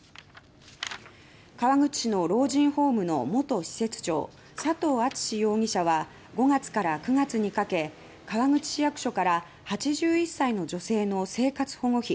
川口の老人ホームの元施設長佐藤篤容疑者は５月から９月にかけ川口市役所から８１歳の女性の生活保護費